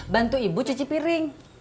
bantu ibu cuci piring